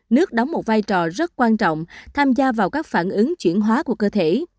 nước đóng một vai trò rất quan trọng tham gia vào các phản ứng chuyển hóa của cơ thể